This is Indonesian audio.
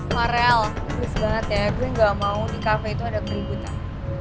farel gris banget ya gue gak mau di cafe itu ada keributan